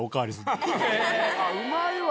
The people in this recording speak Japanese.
うまいわ！